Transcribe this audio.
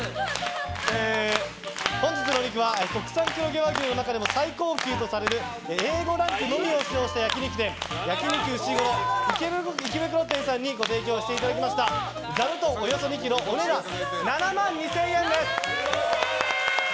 本日のお肉は国産黒毛和牛の中でも最高級とされるＡ５ランクのみを使用した焼き肉店焼き肉うしごろ池袋店さんにご提供していただきましたザブトン、およそ２ｋｇお値段７万２０００円です。